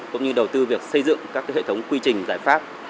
cũng như đầu tư việc xây dựng các hệ thống quy trình giải pháp